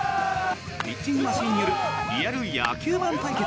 ピッチングマシンによるリアル野球ＢＡＮ対決。